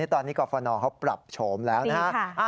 ตอนนี้กรฟนเขาปรับโฉมแล้วนะฮะ